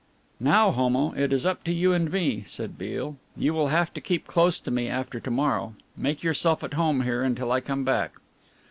"Now, Homo, it is up to you and me," said Beale. "You will have to keep close to me after to morrow. Make yourself at home here until I come back."